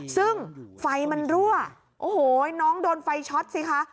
ซึ่งไฟมันรั่วโอ้โหน้องโดนไฟช็อตสิคะ